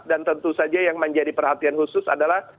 dan tentu saja yang menjadi perhatian khusus adalah